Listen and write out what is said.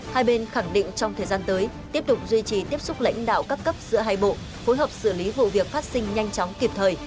hai bên khẳng định trong thời gian tới tiếp tục duy trì tiếp xúc lãnh đạo cấp cấp giữa hai bộ phối hợp xử lý vụ việc phát sinh nhanh chóng kịp thời